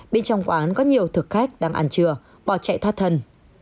bên trong quán có nhiều thực khách đang ăn chừa bỏ chạy thoát thân